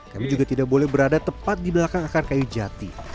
kami juga tidak boleh berada tepat di belakang akar kayu jati